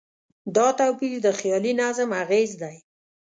دا توپیر د خیالي نظم اغېز دی.